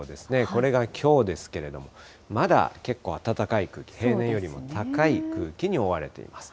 これがきょうですけれども、まだ、結構暖かい空気、平年よりも高い空気に覆われています。